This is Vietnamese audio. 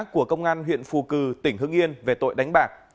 của công an huyện phù cử tỉnh hưng yên về tội đánh bạc